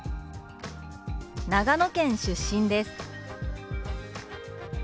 「長野県出身です」。